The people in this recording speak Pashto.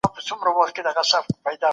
چې ستا شناخته وي هغه هم خفه کومه